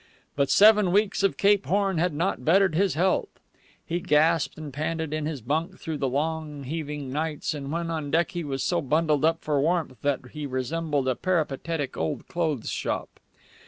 But seven weeks of Cape Horn had not bettered his health. He gasped and panted in his bunk through the long, heaving nights; and when on deck he was so bundled up for warmth that he resembled a peripatetic old clothes shop.